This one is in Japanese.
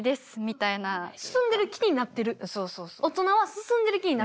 進んでいる気になってる。